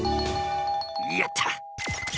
やった！